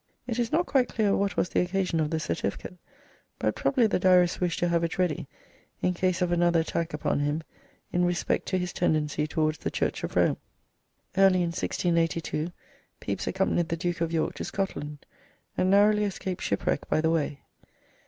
It is not quite clear what was the occasion of the certificate, but probably the Diarist wished to have it ready in case of another attack upon him in respect to his tendency towards the Church of Rome. Early in 1682 Pepys accompanied the Duke of York to Scotland, and narrowly escaped shipwreck by the way.